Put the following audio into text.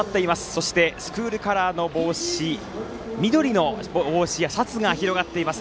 そして、スクールカラーの帽子緑の帽子やシャツが広がっています。